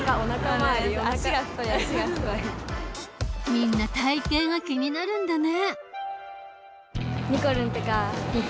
みんな体型が気になるんだね。